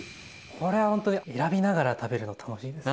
これはほんとに選びながら食べるの楽しいですね。